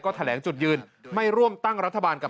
แถลงจุดยืนไม่ร่วมตั้งรัฐบาลกับ